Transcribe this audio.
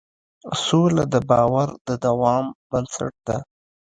سوله د باور د دوام بنسټ ده.